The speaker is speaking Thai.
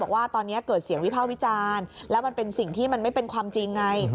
บอกว่าตอนนี้เกิดเสียงวิภาควิจารณ์แล้วมันเป็นสิ่งที่มันไม่เป็นความจริงไง